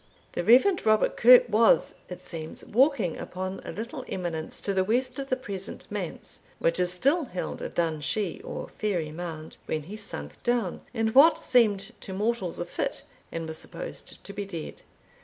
The Rev. Robert Kirke was, it seems, walking upon a little eminence to the west of the present manse, which is still held a Dun Shie, or fairy mound, when he sunk down, in what seemed to mortals a fit, and was supposed to be dead.